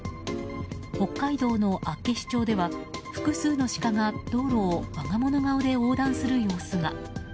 北海道の厚岸町では複数のシカが道路を我が物顔で横断する様子が。